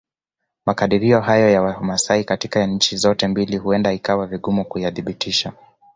Makadirio hayo ya Wamasai katika nchi zote mbili huenda ikawa vigumu kuyathibitisha